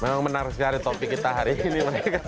memang menarik sekali topik kita hari ini